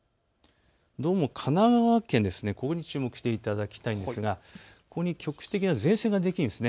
どうも神奈川県、ここに注目していただきたいんですが、ここに局地的な前線ができるんです。